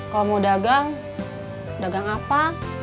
kalau mau dagang dagang apa